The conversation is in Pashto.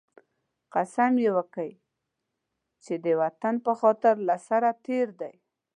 قسم یې وکی چې د هېواد په خاطر له سره تېر دی